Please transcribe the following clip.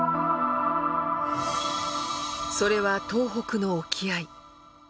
それは東北の沖合。